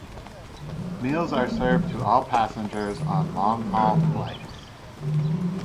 Meals are served to all passengers on long-haul flights.